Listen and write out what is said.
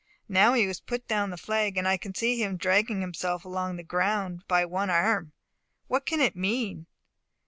Now he has put down the flag, and I can see him dragging himself along the ground by one arm. What can it mean?